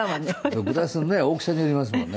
そのグラスのね大きさによりますもんね。